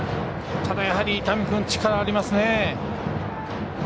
ただ、やはり伊丹君力ありますね。